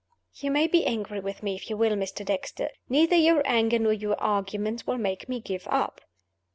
"You may be angry with me if you will, Mr. Dexter. Neither your anger nor your arguments will make me give up."